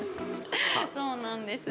そうなんです。